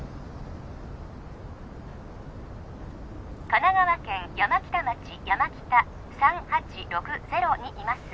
神奈川県山北町山北３８６０にいます